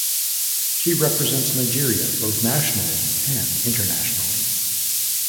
She represents Nigeria both nationally and internationally.